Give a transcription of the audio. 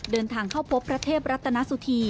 เดินทางเข้าพบพระเทพรัตนสุธี